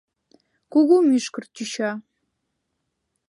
Кугу мӱшкыр тӱча!